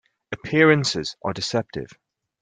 Appearances are deceptive.